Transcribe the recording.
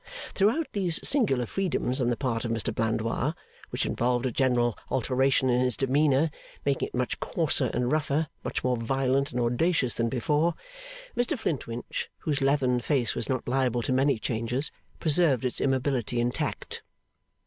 Throughout these singular freedoms on the part of Mr Blandois, which involved a general alteration in his demeanour, making it much coarser and rougher, much more violent and audacious than before, Mr Flintwinch, whose leathern face was not liable to many changes, preserved its immobility intact.